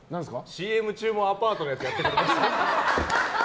ＣＭ中もアパートのやつやってたんです。